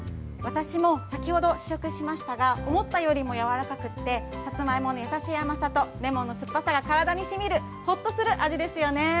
私も先ほど試食しましたが、思ったよりも軟らかくて、サツマイモのやさしい甘さと、レモンの酸っぱさが体にしみる、ほっとする味ですよね。